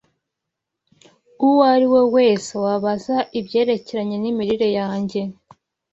uwo ariwe wese wabaza ibyerekeranye n’imirire yanjye